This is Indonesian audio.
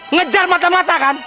ngejar mata mata kan